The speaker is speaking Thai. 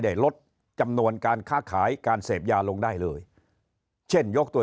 ลดจำนวนการค้าขายการเสพยาลงได้เลยเช่นยกตัว